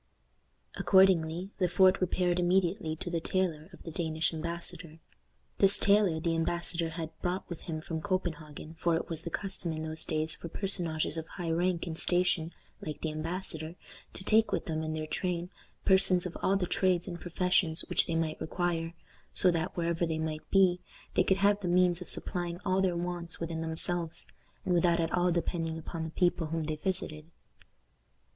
Accordingly, Le Fort repaired immediately to the tailor of the Danish embassador. This tailor the embassador had brought with him from Copenhagen, for it was the custom in those days for personages of high rank and station, like the embassador, to take with them, in their train, persons of all the trades and professions which they might require, so that, wherever they might be, they could have the means of supplying all their wants within themselves, and without at all depending upon the people whom they visited.